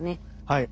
はい。